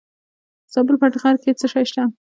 د زابل په اتغر کې څه شی شته؟